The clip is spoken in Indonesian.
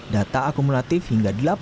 data akumulatif hingga delapan belas